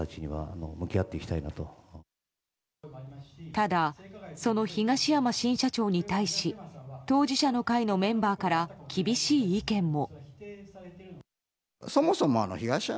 ただ、その東山新社長に対し当事者の会のメンバーから厳しい意見も。